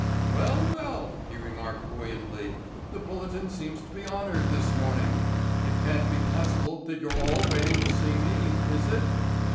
"Well, well," he remarked buoyantly, "the Bulletin seems to be honored this morning. It can't be possible that you're all waiting to see me, is it?"